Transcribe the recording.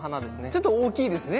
ちょっと大きいですね。